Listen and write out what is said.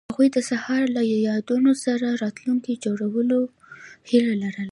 هغوی د سهار له یادونو سره راتلونکی جوړولو هیله لرله.